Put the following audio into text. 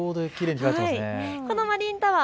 このマリンタワー